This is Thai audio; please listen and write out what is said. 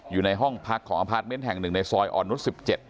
อยู่ในห้องพักของอพาร์ทเมนต์แห่งหนึ่งในซอยอ่อนนุษย์๑๗